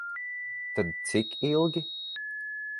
Tad cik ilgi?